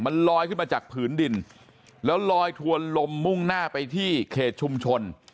มันลอยขึ้นมาจากผืนดินแล้วลอยถวนลมมุ่งหน้าไปที่เขตชุมชน